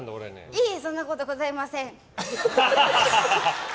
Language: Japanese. いえいえ、そんなことございません。